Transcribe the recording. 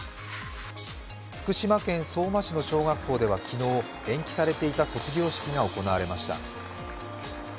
福島県相馬市の小学校では昨日、延期されていた卒業式が行われました。